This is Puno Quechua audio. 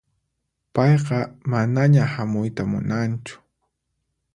Payqa manaña hamuyta munanchu.